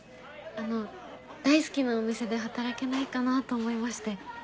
あの大好きなお店で働けないかなと思いまして。